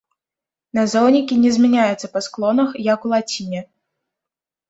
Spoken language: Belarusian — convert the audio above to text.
Назоўнікі не змяняюцца па склонах, як у лаціне.